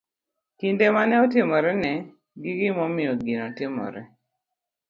kinde ma ne otimorene, gi gimomiyo gino notimore.